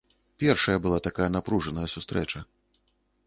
Першая была такая напружаная сустрэча.